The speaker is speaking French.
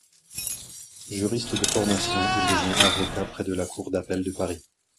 Juriste de formation, il devient avocat près la Cour d'appel de Paris.